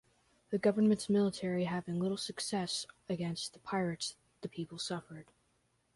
The government's military having little success against the pirates, the people suffered.